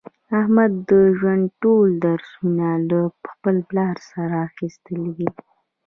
احمد د ژوند ټول درسونه له خپل پلار څخه اخیستي دي.